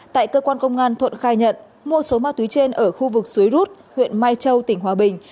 tại cơ quan công an thuận khai nhận mua số ma túy trên ở khu vực suối rút huyện mai châu tỉnh hòa bình